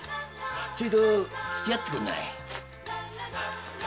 ちょいとつきあってくんねえ。